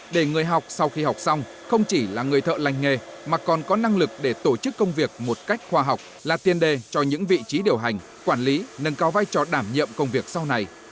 để người học sau khi học xong không chỉ là người thợ lành nghề mà còn có năng lực để tổ chức công việc một cách khoa học là tiên đề cho những vị trí điều hành quản lý nâng cao vai trò đảm nhiệm công việc sau này